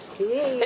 え？